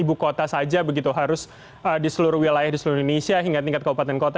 ibu kota saja begitu harus di seluruh wilayah di seluruh indonesia hingga tingkat kabupaten kota